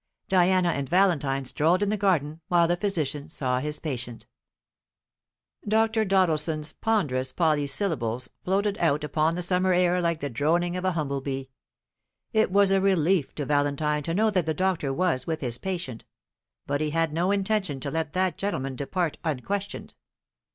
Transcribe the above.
Diana and Valentine strolled in the garden while the physician saw his patient. Dr. Doddleson's ponderous polysyllables floated out upon the summer air like the droning of a humble bee. It was a relief to Valentine to know that the doctor was with his patient: but he had no intention to let that gentleman depart unquestioned.